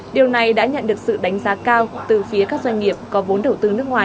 điều này đã nhận được sự đánh giá cao từ phía các doanh nghiệp có vốn đầu tư nước ngoài